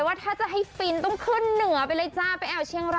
รู้สึกนิดหนึ่ง